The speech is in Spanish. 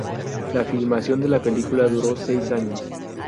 La filmación de la película duró seis años..